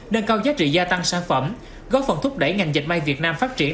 nâng cao giá trị gia tăng sản phẩm góp phần thúc đẩy ngành dệt may việt nam phát triển